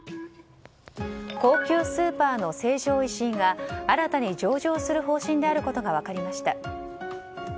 高級スーパーの成城石井が新たに上場する方針であることが分かりました。